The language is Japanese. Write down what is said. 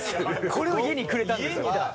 これを家にくれたんです。